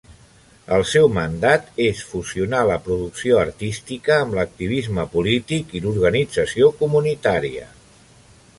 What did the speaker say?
El seu mandat és fusionar la producció artística amb l'activisme polític i l'organització comunitària.